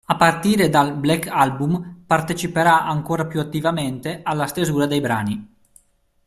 A partire dal "Black Album", parteciperà ancora più attivamente alla stesura dei brani.